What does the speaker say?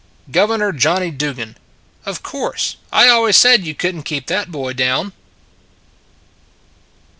Governor Johnny Dugan " Of course : I always said you could n t keep that boy down."